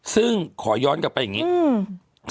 ซึ่งขอย้อนกลับไปอย่างนี้